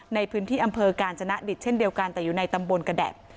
ในพื้นที่อำเภอกาญจนดิตเช่นเดียวกันแต่อยู่ในตำบลกระแดด